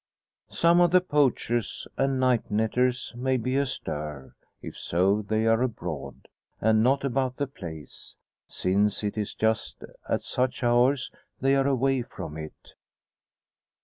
Some of the poachers and night netters may be astir. If so they are abroad, and not about the place, since it is just at such hours they are away from it.